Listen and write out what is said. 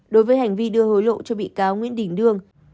đối với hành vi đưa hối lộ cho bị cáo nguyễn đình đương